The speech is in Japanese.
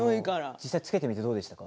実際つけてみてどうでしたか？